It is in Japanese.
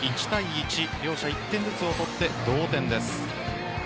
１対１、両者１点ずつを取って同点です。